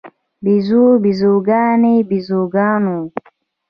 بیزو، بیزوګانې، بیزوګانو